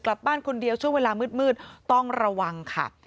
กลับบ้านคนเดียวช่วงเวลามืดต้องระวังค่ะ